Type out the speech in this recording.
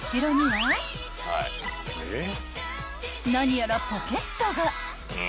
［何やらポケットが］